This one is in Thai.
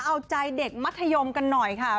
เอาใจเด็กมัธยมกันหน่อยค่ะ